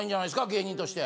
芸人として？